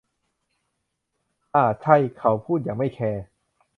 อ่า ใช่ เขาพูดอย่างไม่แคร์